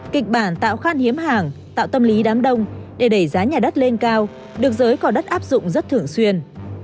kịch bản tạo khan hiếm hàng tạo tâm lý đám đông để đẩy giá nhà đất lên cao được giới có đất áp dụng rất thường xuyên